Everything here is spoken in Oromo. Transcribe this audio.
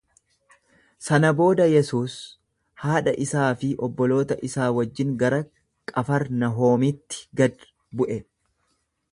Sana booda Yesuus haadha isaa fi obboloota isaa wajjin gara Qafarnahoomitti gad bu'e.